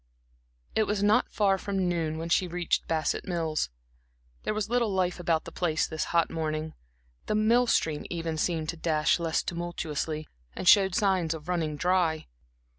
It was not far from noon when she reached Bassett Mills. There was little life about the place this hot morning; the mill stream even seemed to dash less tumultuously, and showed signs of running dry.